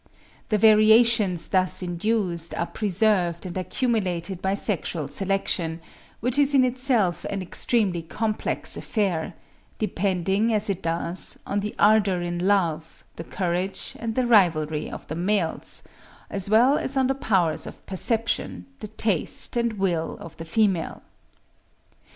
The variations thus induced are preserved and accumulated by sexual selection, which is in itself an extremely complex affair, depending, as it does, on the ardour in love, the courage, and the rivalry of the males, as well as on the powers of perception, the taste, and will of the female.